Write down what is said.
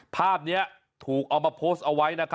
ภาพนี้ถูกเอามาโพสต์เอาไว้